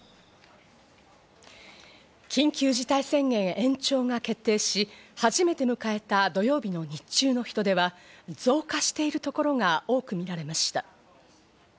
緊急事態宣言延長が決定し、初めて迎えた土曜日の日中の人出は増加している所が多く見られました。